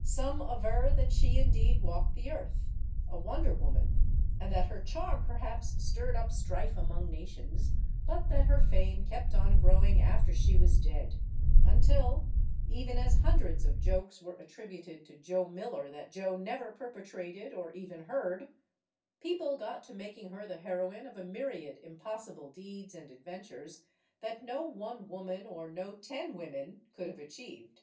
Some aver that she indeed walked the earth, a Wonder Woman, and that her charm perhaps stirred up strife among nations, but that her fame kept on growing after she was dead, until even as hundreds of jokes were attributed to Joe Miller that Joe never perpetrated or even heard people got to making her the heroine of a myriad impossible deeds and ad ventures that no one woman or no ten women could have achieved.